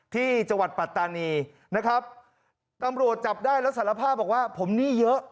ที่จังหวัดปัตตานีนะครับตำรวจจับได้แล้วสารภาพบอกว่าผมหนี้เยอะ